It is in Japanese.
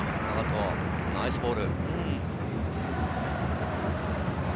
ナイスボール。